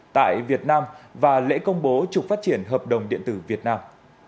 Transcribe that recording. tại việt nam và lễ công bố trục phát triển hợp đồng điện tử việt nam